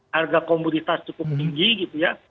harga komoditas cukup tinggi gitu ya